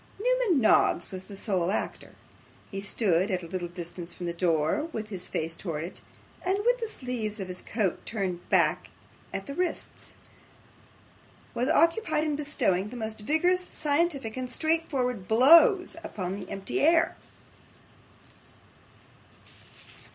Newman Noggs was the sole actor. He stood at a little distance from the door, with his face towards it; and with the sleeves of his coat turned back at the wrists, was occupied in bestowing the most vigorous, scientific, and straightforward blows upon the empty air.